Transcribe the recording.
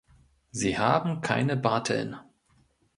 Sie haben keine Barteln.